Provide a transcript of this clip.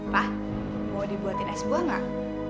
pak mau dibuatin es buah nggak